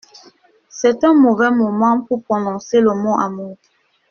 C'est un mauvais moment pour prononcer le mot amour.